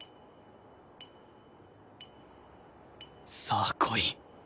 さあこい。